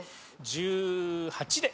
１８で。